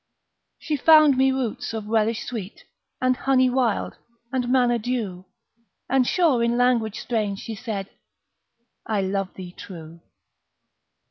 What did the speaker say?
She found me roots of relish sweet, And honey wild, and manna dew, And sure in language strange she said, "I love thee true!"